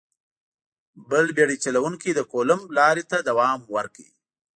بل بېړۍ چلوونکي د کولمب لارې ته دوام ورکړ.